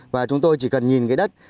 và chúng tôi chỉ cần nhìn cái đất